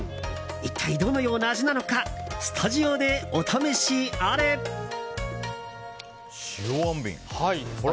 一体、どのような味なのかスタジオでお試しあれ。